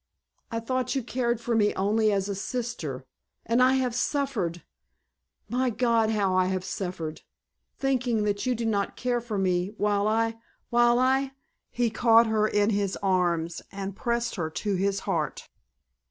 I thought you cared for me only as a sister, and I have suffered—my God, how I have suffered—thinking that you did not care for me, while I—while I——" He caught her in his arms and pressed her to his heart.